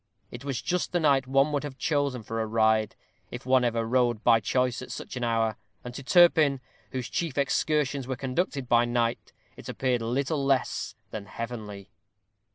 It was just the night one would have chosen for a ride, if one ever rode by choice at such an hour; and to Turpin, whose chief excursions were conducted by night, it appeared little less than heavenly.